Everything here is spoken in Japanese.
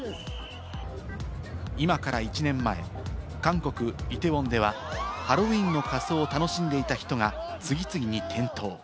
今から１年前、韓国・イテウォンではハロウィーンの仮装を楽しんでいた人が次々に転倒。